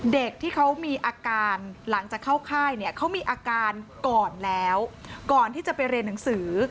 เด็กที่เขามีอาการหลังจากเข้าค่ายเนี่ยเขามีอาการก่อนแล้วก่อนที่จะไปเรียนหนังสือ